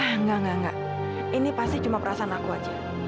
enggak enggak enggak ini pasti cuma perasaan aku aja